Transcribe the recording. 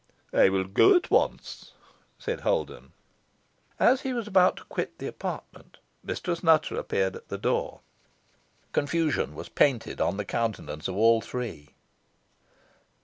"I will go at once," said Holden. As he was about to quit the apartment, Mistress Nutter appeared at the door. Confusion was painted on the countenances of all three.